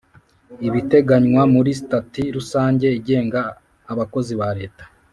ibiteganywa muri Sitati rusange igenga abakozi ba Leta